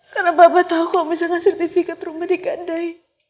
karena papa tau kalau misalnya sertifikat rumah di kandai